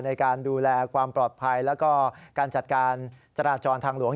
ในการดูแลความปลอดภัยแล้วก็การจัดการจราจรทางหลวง